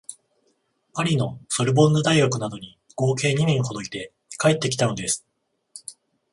パリのソルボンヌ大学などに合計二年ほどいて帰ってきたのです